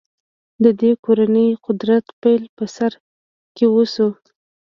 د دې کورنۍ قدرت پیل په سر کې وشو.